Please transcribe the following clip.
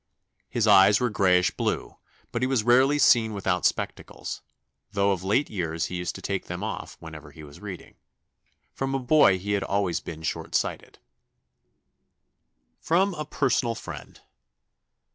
His eyes were grayish blue, but he was rarely seen without spectacles, though of late years he used to take them off whenever he was reading. From a boy he had always been short sighted." [Sidenote: A personal friend.